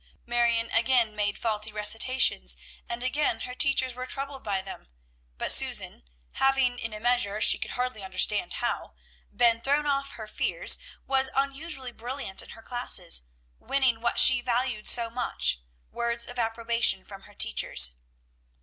Marion again made faulty recitations, and again her teachers were troubled by them; but Susan, having in a measure, she could hardly understand how, been thrown off her fears, was unusually brilliant in her classes, winning what she valued so much, words of approbation from her teachers.